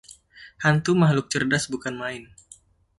Hantu makhluk cerdas bukan main.